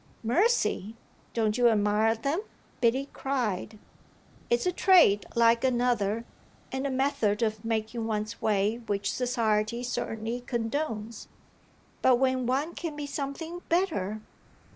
"Mercy! don't you admire them?" Biddy cried. "It's a trade like another and a method of making one's way which society certainly condones. But when one can be something better